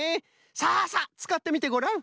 さあさあつかってみてごらん。